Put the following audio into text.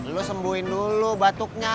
lo sembuhin dulu batuknya